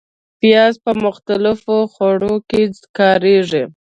پیاز په مختلفو خوړو کې کارېږي